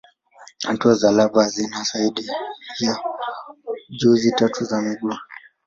Hatua za lava hazina zaidi ya jozi tatu za miguu.